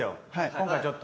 今回ちょっと。